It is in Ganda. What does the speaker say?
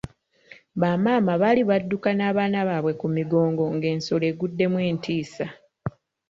Bamaama baali badduka n'abaana baabwe ku migongo ng'ensolo eguddemu entiisa.